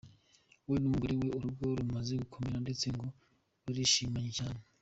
we numugore we urugo rumaze gukomera ndetse ngo barishimanye cyane.